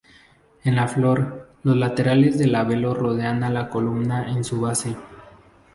En la flor, los laterales del labelo rodean a la columna en su base.